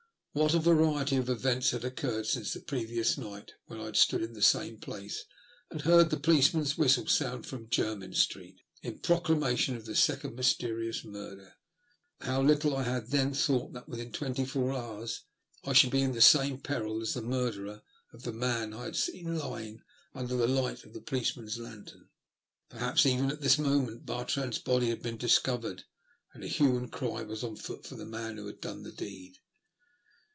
What a variety of events had occurred since the previous night, when I had stood in the same place, and had heard the policeman's whistle sound from Jermyn Street, in proclamation of the second mysterious murder ! How little I had then thought that within twenty four hours I should be in the same peril as the murderer of the man I had seen lying under the light of the policeman's lantern ! Perhaps even at this moment Bartrand's body had been discovered, and a hue and cry was on foot for the man who had done the deed.